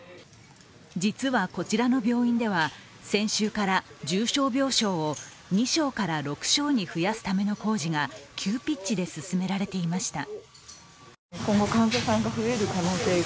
実はこちらの病院では先週から重症病床を２床から６床に増やすための工事が急ピッチで進められていました。